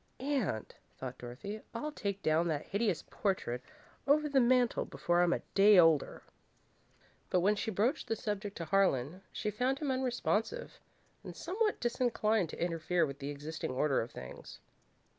"And," thought Dorothy, "I'll take down that hideous portrait over the mantel before I'm a day older." But when she broached the subject to Harlan, she found him unresponsive and somewhat disinclined to interfere with the existing order of things.